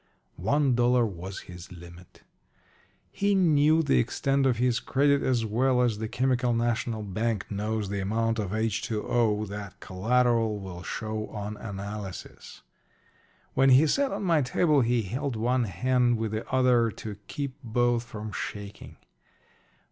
One dollar was his limit. He knew the extent of his credit as well as the Chemical National Bank knows the amount of H2O that collateral will show on analysis. When he sat on my table he held one hand with the other to keep both from shaking.